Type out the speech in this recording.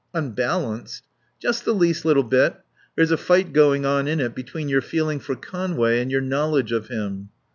"Unbalanced?" "Just the least little bit. There's a fight going on in it between your feeling for Conway and your knowledge of him."